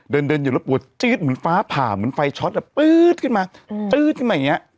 เดินอยู่แล้วปล่วนเหมือนฟ้าผ่าเหมือนไฟช็อตเข็มมาเข็นแบบนี้